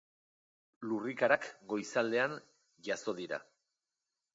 Lurrikarak goizaldean jazo dira.